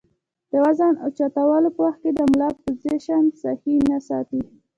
د وزن اوچتولو پۀ وخت د ملا پوزيشن سهي نۀ ساتي